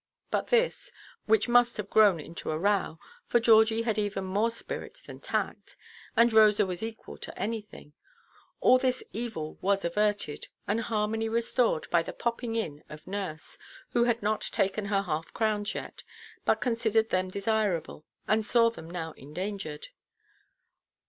But this (which must have grown into a row, for Georgie had even more spirit than tact, and Rosa was equal to anything), all this evil was averted, and harmony restored by the popping in of nurse, who had not taken her half–crowns yet, but considered them desirable, and saw them now endangered.